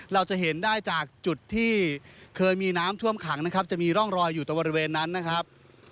เราจะเห็นได้จากจุดที่เคยมีน้ำท่วมขังนะครับจะมีร่องรอยอยู่ตรงบริเวณนั้นนะครับ